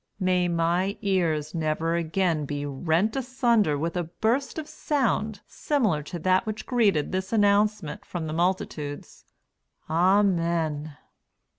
May my ears never again be rent asunder with a burst of sound similar to that which greeted this announcement, from the multitudes. Amen.